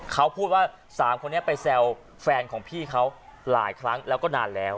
เขาพูดว่า๓คนนี้ไปแซวแฟนของพี่เขาหลายครั้งแล้วก็นานแล้ว